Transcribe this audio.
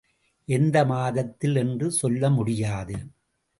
எந்த மாதத்தில் என்று சொல்லமுடியாது.